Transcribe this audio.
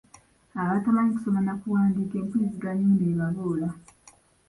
Abo abatamanyi kusoma na kuwandiika empuliziganya eno ebaboola .